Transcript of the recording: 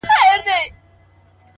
مثبت انسان هیله خپروي’